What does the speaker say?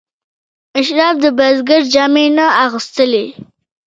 اشراف د بزګر جامې نه اغوستلې.